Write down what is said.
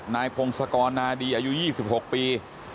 นายพงศกรนาดีอายุ๒๖ปี